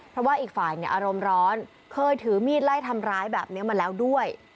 เพราะว่าอีกฝ่ายเนี่ยอารมณ์ร้อนเคยถือมีดไล่ทำร้ายแบบนี้มาแล้วด้วย